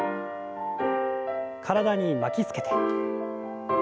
体に巻きつけて。